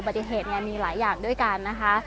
ปัจจัยการเกิดอุบัติเหตุมีหลายอย่างด้วยกันนะคะ